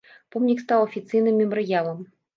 Помнік стаў афіцыйным мемарыялам.